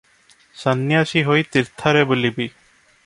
ସନ୍ୟାସୀ ହୋଇ ତୀର୍ଥରେ ବୁଲିବି ।